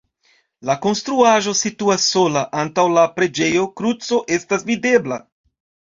La konstruaĵo situas sola, antaŭ la preĝejo kruco estas videbla.